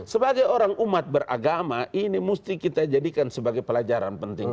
sebagai orang umat beragama ini mesti kita jadikan sebagai pelajaran penting